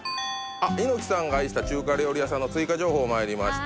あっ猪木さんが愛した中華料理屋さんの追加情報まいりました